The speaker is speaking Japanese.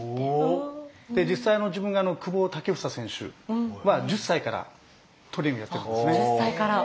実際自分が久保建英選手は１０歳からトレーニングやってるんですね。